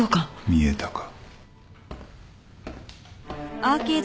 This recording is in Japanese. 見えたか。